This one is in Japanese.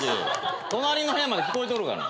隣の部屋まで聞こえとるがな。